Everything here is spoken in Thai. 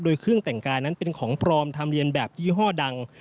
โดยเครื่องแต่งกายนั้นเป็นของปลอมทำเรียนแบบยี่ห้อดัง